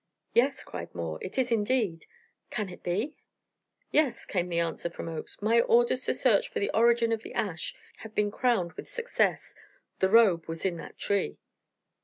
"Yes," cried Moore. "It is indeed can it be?" "Yes," came the answer from Oakes; "my orders to search for the origin of the ash have been crowned with success. The robe was in that tree."